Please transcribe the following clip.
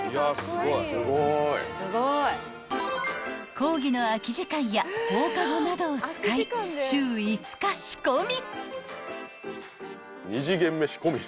［講義の空き時間や放課後などを使い週５日仕込み］